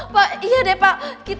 pak iya deh pak